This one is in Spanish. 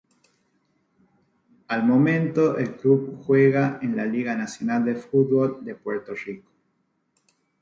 Al momento el club juega en la Liga Nacional de Fútbol de Puerto Rico.